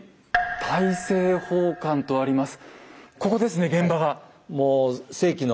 「大政奉還」とあります。